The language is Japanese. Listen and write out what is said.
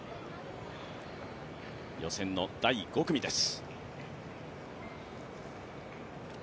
予選の第５組です。